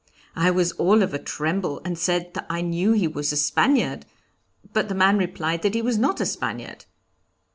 I was all of a tremble, and said that I knew he was a Spaniard, but the man replied that he was not a Spaniard.